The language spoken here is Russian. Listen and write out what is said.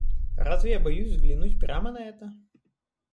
Разве я боюсь взглянуть прямо на это?